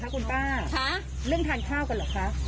คุณป้าเรื่องทานข้าวกันเหรอคะ